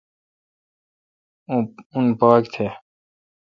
اون پاک تھ۔